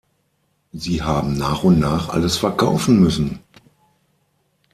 Sie haben nach und nach alles verkaufen müssen.